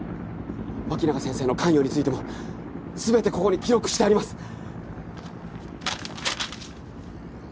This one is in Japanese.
脇永先生の関与についても全てここに記録してあります。